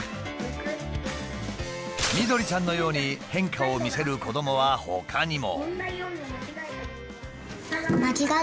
みどりちゃんのように変化を見せる子どもはほかにも。